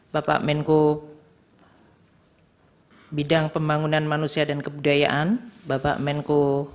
bapak menko bidang pembangunan manusia dan kebudayaan bapak menko